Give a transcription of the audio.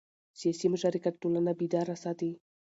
سیاسي مشارکت ټولنه بیداره ساتي